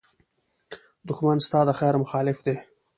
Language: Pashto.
دښمن ستا د خېر مخالف دی